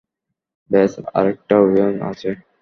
ব্যাস, আর একটা অভিযান আছে।